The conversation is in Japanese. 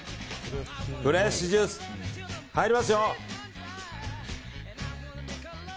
フレッシュジュース、入りますよ。